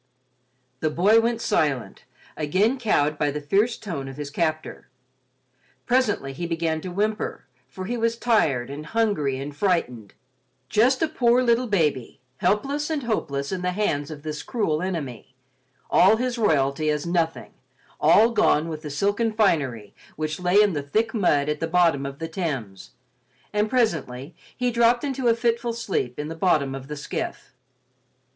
The boy went silent, again cowed by the fierce tone of his captor. Presently he began to whimper, for he was tired and hungry and frightened—just a poor little baby, helpless and hopeless in the hands of this cruel enemy—all his royalty as nothing, all gone with the silken finery which lay in the thick mud at the bottom of the Thames, and presently he dropped into a fitful sleep in the bottom of the skiff.